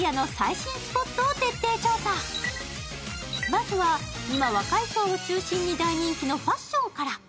まずは今、若い人を中心に大人気のファッションから。